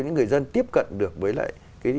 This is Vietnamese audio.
những người dân tiếp cận được với lại